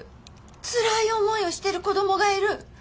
つらい思いをしている子供がいる。